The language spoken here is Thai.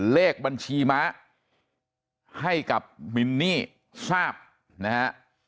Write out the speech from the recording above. เลขบัญชีม้าให้กับมินนี่ทราบนะฮะ